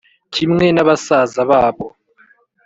kimwe nabasaza babo